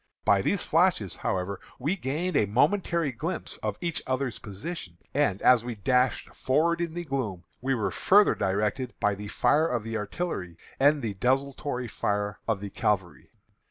By these flashes, however, we gained a momentary glimpse of each other's position, and as we dashed forward in the gloom, we were further directed by the fire of the artillery and the desultory fire of the cavalry.